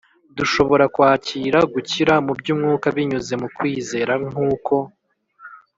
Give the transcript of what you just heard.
Dushobora kwakira gukira mu by’umwuka binyuze mu kwizera nk’uko